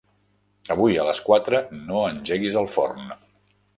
Avui a les quatre no engeguis el forn.